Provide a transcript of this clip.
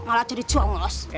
malah jadi cuang ngos